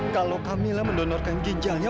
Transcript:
kalau kamila mendonorkan ginjalnya